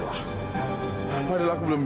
ya allah gimana ini